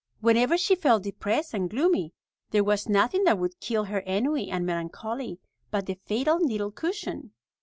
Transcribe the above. Whenever she felt depressed and gloomy, there was nothing that would kill her ennui and melancholy but the fatal needle cushion.